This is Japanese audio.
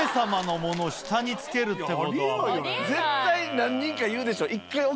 絶対何人か言うでしょ。